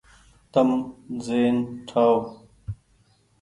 تم زهين ٺآئو ۔